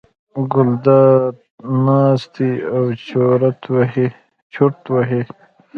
ګلداد ناست دی او چورت وهي.